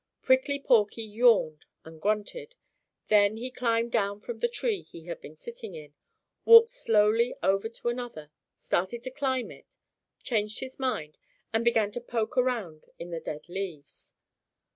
Prickly Porky yawned and grunted. Then he climbed down from the tree he had been sitting in, walked slowly over to another, started to climb it, changed his mind, and began to poke around in the dead leaves.